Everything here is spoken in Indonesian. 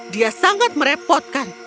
dia sangat merepotkan